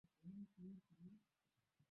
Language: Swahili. Jambo ambalo huwezi kuamini kama mizizi